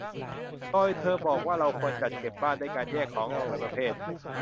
โดยเธอบอกว่าเราควรจัดเก็บบ้านด้วยการแยกของออกเป็นประเภท